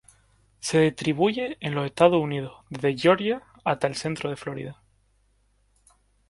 Se distribuye en los Estados Unidos, desde Georgia hasta el centro de Florida.